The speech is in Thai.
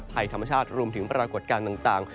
ภัยธรรมชาติรวมถึงปรากฏการณ์ต่าง